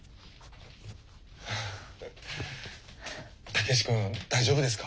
武志君大丈夫ですか？